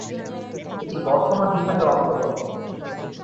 এটি বর্ধমান বিভাগের অন্তর্গত।